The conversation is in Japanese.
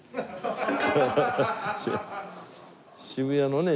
渋谷のね